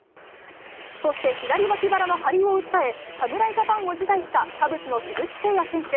そして左脇腹の張りを訴え、侍ジャパンを辞退したカブスの鈴木誠也選手。